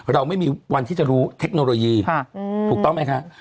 เราไม่มีวันที่จะรู้เทคโนโลยีถูกต้องไหมคะ